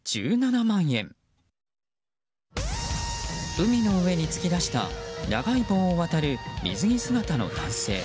海の上に突き出した長い棒を渡る水着姿の男性。